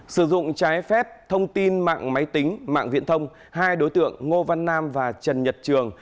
sử dụng trái phép thông tin mạng máy tính mạng viễn thông hai đối tượng ngô văn nam và trần nhật trường